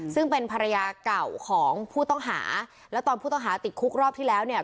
ซึ่งเป็นภรรยาเก่าของผู้ต้องหาแล้วตอนผู้ต้องหาติดคุกรอบที่แล้วเนี่ย